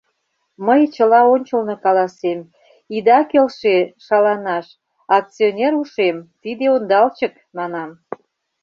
Мый чыла ончылно каласем: ида келше шаланаш, акционер ушем — тиде ондалчык, манам.